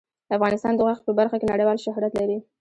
افغانستان د غوښې په برخه کې نړیوال شهرت لري.